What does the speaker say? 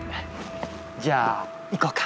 じゃあ行こうか。